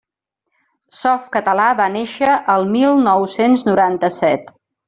Softcatalà va néixer el mil nou-cents noranta-set.